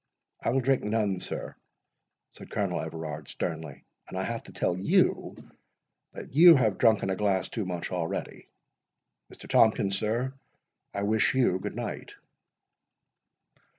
"I will drink none, sir," said Colonel Everard sternly; "and I have to tell you, that you have drunken a glass too much already.—Mr. Tomkins, sir, I wish you good night."